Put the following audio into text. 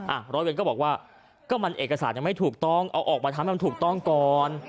ร้อยเวรก็บอกว่าก็มันเอกสารยังไม่ถูกต้องเอาออกมาทำให้มันถูกต้องก่อน